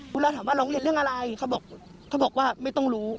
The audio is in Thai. เราถามว่าเราเรียนเรื่องอะไรเขาบอกว่าไม่ต้องรู้